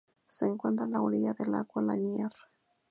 Se encuentra a la orilla del lago Lanier.